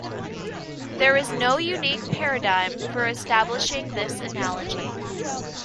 There is no unique paradigm for establishing this analogy.